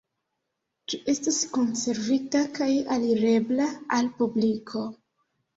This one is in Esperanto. Ĝi estas konservita kaj alirebla al publiko.